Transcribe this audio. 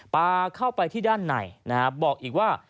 ปลาเข้าไปที่ด้านในนะครับบอกอีกว่า